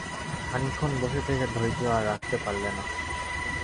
খানিকক্ষণ বসে থেকে ধৈর্য আর রাখতে পারলে না।